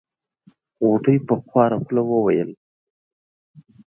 غوټۍ په خواره خوله وويل.